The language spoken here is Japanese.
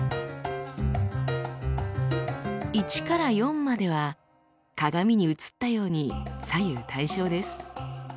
「１」から「４」までは鏡に映ったように左右対称です。